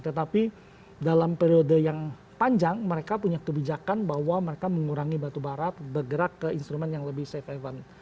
tetapi dalam periode yang panjang mereka punya kebijakan bahwa mereka mengurangi batubara bergerak ke instrumen yang lebih safe haven